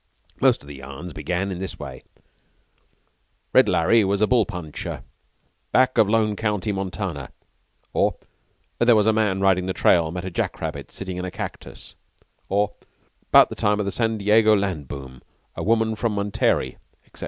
Most of the yarns began in this way: "Red Larry was a bull puncher back of Lone County, Montana," or "There was a man riding the trail met a jack rabbit sitting in a cactus," or "'Bout the time of the San Diego land boom, a woman from Monterey," etc.